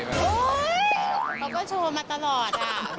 เขาก็โชว์มาตลอด